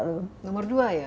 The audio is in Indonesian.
nomor dua ya